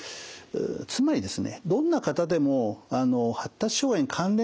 つまりですね